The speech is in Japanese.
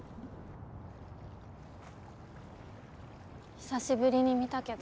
久しぶりに見たけど